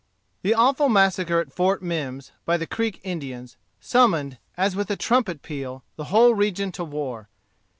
The awful massacre at Fort Mimms, by the Creek Indians, summoned, as with a trumpet peal, the whole region to war.